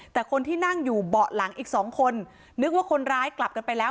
แต่คนที่นั่งอยู่เบาะหลังอีกสองคนนึกว่าคนร้ายกลับกันไปแล้ว